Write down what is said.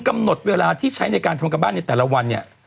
เกิน๒ชั่วโมง